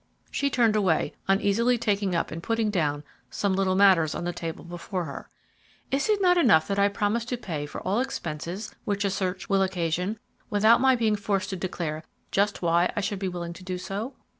She turned away, uneasily taking up and putting down some little matters on the table before her. "Is it not enough that I promise to pay for all expenses which a search will occasion, without my being forced to declare just why I should be willing to do so?